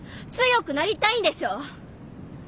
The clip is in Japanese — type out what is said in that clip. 強くなりたいんでしょ？